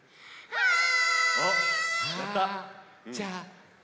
はい。